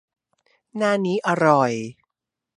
หน้านี้อร่อย